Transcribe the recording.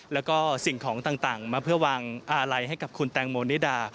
แล้วก็สิ่งของต่างมาเพื่อวางอาลัยให้กับคุณแตงโมนิดา